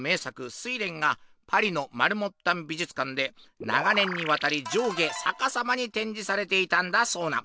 「睡蓮」がパリのマルモッタン美術館で長年にわたり上下逆さまに展示されていたんだそうな！